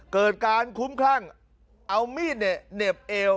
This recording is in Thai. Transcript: เกิดการคุ้มคลั่งเอามีดเนี่ยเหน็บเอว